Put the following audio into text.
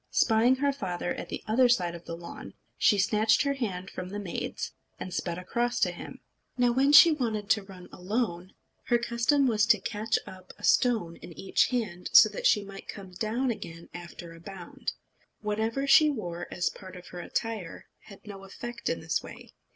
Spying her father at the other side of the lawn, she snatched her hand from the maid's, and sped across to him. Now when she wanted to run alone, her custom was to catch up a stone in each hand, so that she might come down again after a bound. Whatever she wore as part of her attire had no effect in this way.